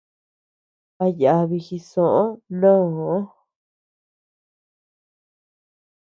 A yabi jisoʼö mnoo.